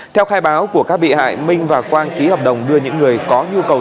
theo khai báo của các bị hại minh và quang ký hợp đồng đưa những người có nhu cầu